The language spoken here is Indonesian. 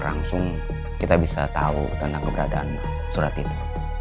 langsung kita bisa tahu tentang keberadaan surat itu